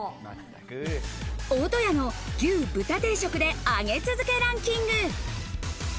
大戸屋の牛・豚定食で上げ続けランキング。